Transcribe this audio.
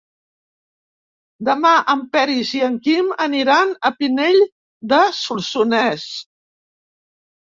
Demà en Peris i en Quim aniran a Pinell de Solsonès.